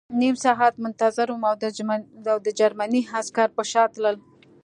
نیم ساعت منتظر وم او د جرمني عسکر په شا تلل